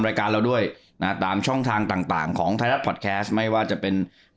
รายการเราด้วยนะฮะตามช่องทางต่างต่างของไทยรัฐพอดแคสต์ไม่ว่าจะเป็น